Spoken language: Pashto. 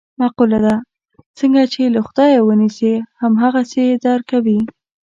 مقوله ده: څنګه یې چې له خدایه و نیسې هم هغسې یې در کوي.